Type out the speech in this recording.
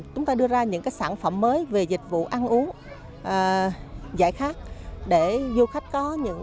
chúng ta đưa ra những cái sản phẩm mới về dịch vụ ăn uống giải khát để du khách có những